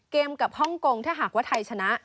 เกมกับฮ่องกงถ้าหากว่าไทยชนะ